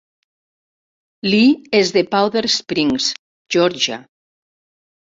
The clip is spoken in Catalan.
Lee és de Powder Springs, Georgia.